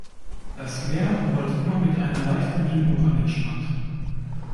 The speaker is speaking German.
Das Meer rollt immer mit einer leichten Dünung an den Strand.